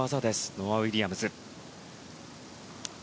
ノア・ウィリアムズ。